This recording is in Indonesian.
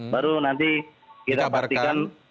baru nanti kita pastikan